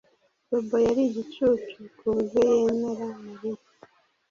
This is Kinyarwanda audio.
Bobo yari igicucu kuburyo yemera Mariya